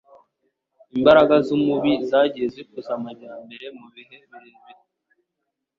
Imbaraga z'umubi zagiye zikuza amajyambere mu bihe birebire